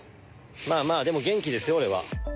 まあまあ、でも元気ですよ、俺は。